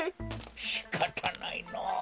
しかたないのぉ。